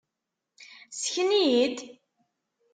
Sken-iyi-d!